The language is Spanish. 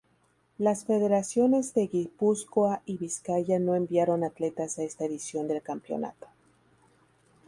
Las federaciones de Guipúzcoa y Vizcaya no enviaron atletas a esta edición del campeonato.